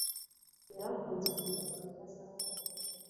Yarahunze kugira ngo atazafatwa